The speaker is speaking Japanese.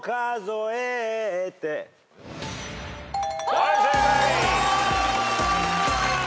はい正解！